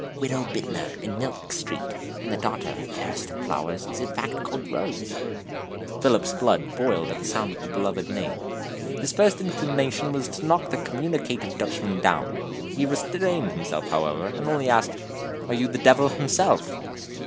"Widow Bittner, in Milk Street; and the daughter, fairest of flowers, is in fact called Rose." Philip's blood boiled at the sound of the beloved name. His first inclination was to knock the communicative Dutchman down. He restrained himself, however, and only asked: "Are you the devil himself?"